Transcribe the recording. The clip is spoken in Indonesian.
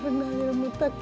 tante aku mau ke rumah tante